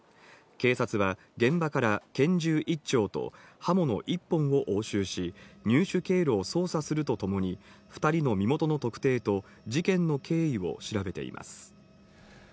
警察は、現場から拳銃１丁と刃物１本を押収し、入手経路を捜査するとともに、２人の身元の特定と、事件の経緯を調べています。